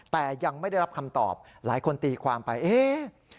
แต่ยังไม่ได้รับคำตอบหลายคนตีความไปเอ๊ะ